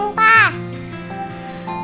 kamu pegang fontipur